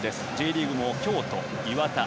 Ｊリーグの京都、磐田